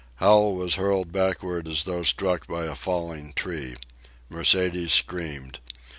Hal was hurled backward, as though struck by a falling tree. Mercedes screamed.